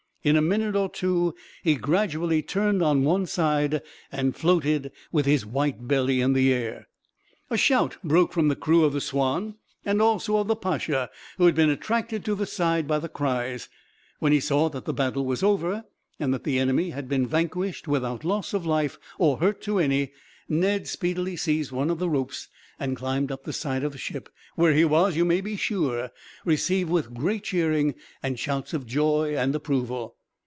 In a minute or two he gradually turned on one side, and floated, with his white belly in the air. A shout broke from the crew of the Swanne, and also of the Pacha, who had been attracted to the side by the cries. When he saw that the battle was over, and that the enemy had been vanquished without loss of life, or hurt to any, Ned speedily seized one of the ropes, and climbed up the side of the ship; where he was, you may be sure, received with great cheering, and shouts of joy and approval.